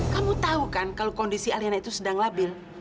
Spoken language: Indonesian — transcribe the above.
kamu tahu kan kalau kondisi aliana itu sedang labil